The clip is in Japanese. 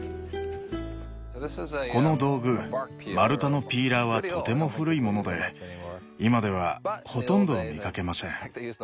この道具丸太のピーラーはとても古いもので今ではほとんど見かけません。